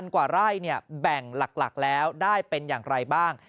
กว่าไร่แบ่งหลักแล้วได้เป็นอย่างไรบ้าง